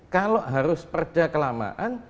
kalau harus perda kelamaan